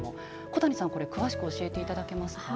小谷さん、これ、詳しく教えていただけますか。